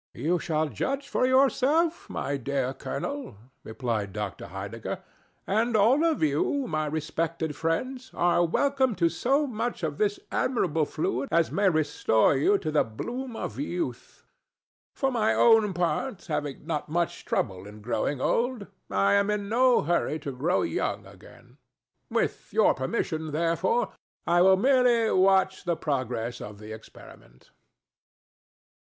"You shall judge for yourself, my dear colonel," replied Dr. Heidegger.—"And all of you, my respected friends, are welcome to so much of this admirable fluid as may restore to you the bloom of youth. For my own part, having had much trouble in growing old, I am in no hurry to grow young again. With your permission, therefore, I will merely watch the progress of the experiment."